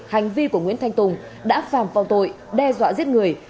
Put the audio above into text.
hành vi của nguyễn thành tùng đã phàm phong tội đe dọa giết người